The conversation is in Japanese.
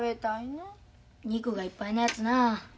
肉がいっぱいのやつな。